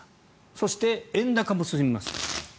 そして、円高も進みます。